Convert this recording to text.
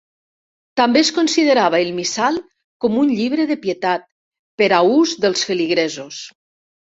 També es considerava el missal com un llibre de pietat, per a ús dels feligresos.